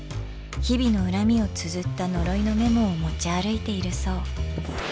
日々の恨みをつづった呪いのメモを持ち歩いているそう。